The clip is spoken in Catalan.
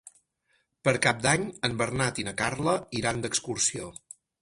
Per Cap d'Any en Bernat i na Carla iran d'excursió.